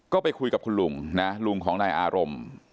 ก็ไปคุยกับคุณลุงนะลุงของนายอารมณ์